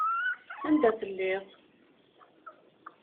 Anda telliḍ!